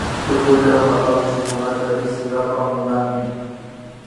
Tukuy kanpak ayllukunata riksinkapak munani